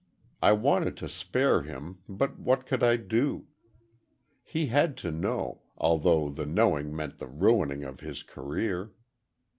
I wanted to spare him, but what could I do? He had to know—although the knowing meant the ruining of his career.